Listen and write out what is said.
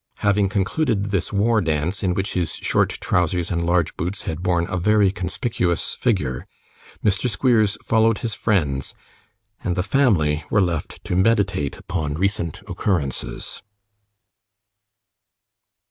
Having concluded this war dance, in which his short trousers and large boots had borne a very conspicuous figure, Mr. Squeers followed his friends, and the family were left to meditate upon recent occurrences.